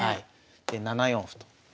で７四歩と。